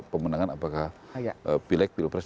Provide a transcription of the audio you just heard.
pemenangan apakah pilik pilpres